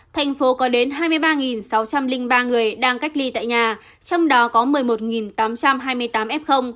thành phố có đến hai mươi ba sáu trăm linh ba người đang cách ly tại nhà trong đó có một mươi một tám trăm hai mươi tám f